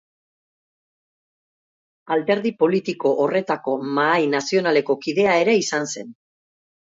Alderdi politiko horretako Mahai Nazionaleko kidea ere izan zen.